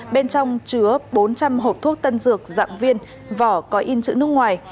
bên trong chứa bốn trăm linh hộp thuốc tân dược dạng viên vỏ có in chữ nước ngoài